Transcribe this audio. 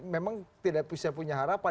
memang tidak bisa punya harapan